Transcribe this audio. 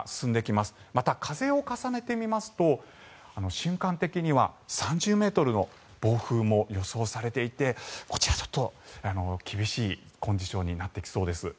また、風を重ねてみますと瞬間的には３０ｍの暴風も予想されていてこちらちょっと厳しいコンディションになってきそうです。